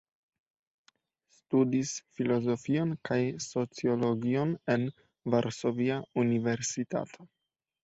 Studis filozofion kaj sociologion en Varsovia Universitato.